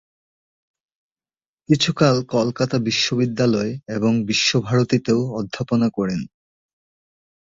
কিছুকাল কলকাতা বিশ্ববিদ্যালয় এবং বিশ্বভারতীতেও অধ্যাপনা করেন।